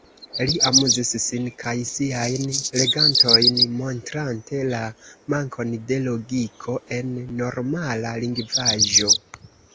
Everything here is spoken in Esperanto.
Li amuzis sin kaj siajn legantojn, montrante la mankon de logiko en normala lingvaĵo.